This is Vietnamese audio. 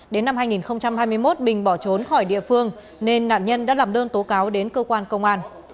đến năm hai nghìn hai mươi một bình bỏ trốn khỏi địa phương nên nạn nhân đã làm đơn tố cáo đến cơ quan công an